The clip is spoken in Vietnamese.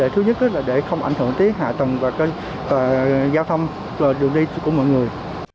thứ nhất là để không ảnh hưởng tới hạ tầng và giao thông và đường đi của mọi người